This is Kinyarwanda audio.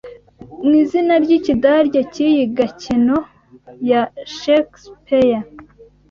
ni izina ry'ikidage cy'iyi gakino ya Shakespeare